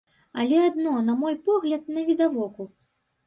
Але адно, на мой погляд, навідавоку.